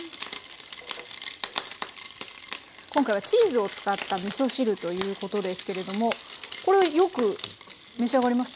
今回はチーズを使ったみそ汁ということですけれどもこれはよく召し上がります？